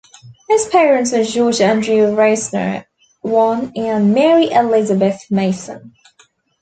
His parents were George Andrew Reisner I and Mary Elizabeth Mason.